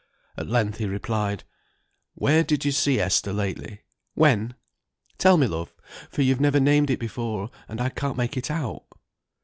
At length he replied, "Where did you see Esther lately? When? Tell me, love, for you've never named it before, and I can't make it out."